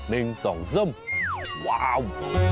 ๑๒ซึ้มว้าว